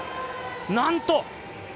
なんと！